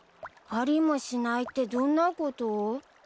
ありもしないってどんなこと？